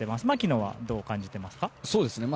槙野はどう感じていますか？